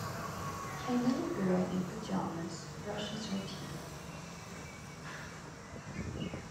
A little girl in pajamas brushes her teeth.